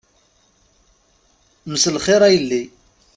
Mselxir a yelli.